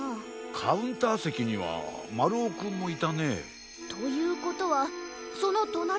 カウンターせきにはまるおくんもいたね。ということはそのとなりだから。